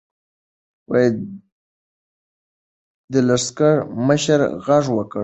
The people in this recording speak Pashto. د لښکر مشر غږ وکړ.